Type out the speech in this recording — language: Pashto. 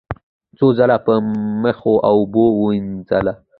څو ځله په یخو اوبو ومینځله،